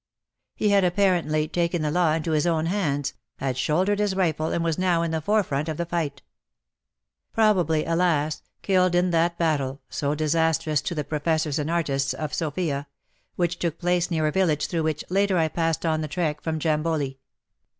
He had apparently taken the law into his own hands, had shouldered his rifle and was now in the forefront of the fight. Probably, alas ! killed in that battle — so disastrous to the professors and artists of Sofia — which took place near a village through which, later, I passed on the trek from Jamboli.